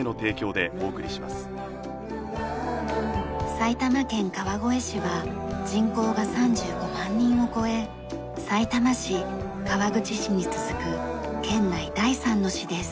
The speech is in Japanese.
埼玉県川越市は人口が３５万人を超えさいたま市川口市に続く県内第３の市です。